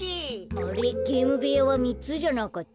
あれっゲームべやはみっつじゃなかった？